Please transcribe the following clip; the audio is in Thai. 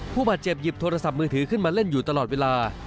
ผู้บาดเจ็บหยิบโทรศัพท์มือถือขึ้นมาเล่นอยู่ตลอดเวลา